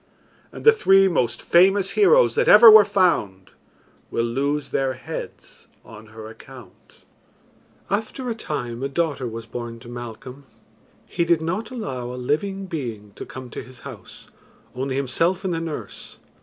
And the three most famous heroes that ever were found will lose their heads on her account." After a time a daughter was born to Malcolm, he did not allow a living being to come to his house, only himself and the nurse.